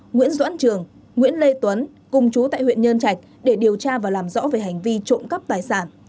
nguyễn doãn trường nguyễn lê tuấn cùng chú tại huyện nhơn trạch để điều tra và làm rõ về hành vi trộm cắp tài sản